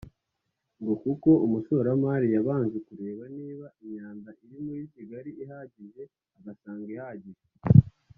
ngo kuko umushoramari yabanje kureba niba imyanda iri muri Kigali ihagije agasanga ihagije